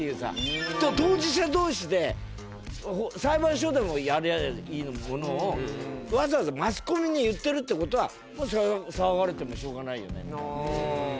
当事者同士で裁判所でやりゃいいものをわざわざマスコミに言ってるって事は騒がれてもしょうがないよねみたいな。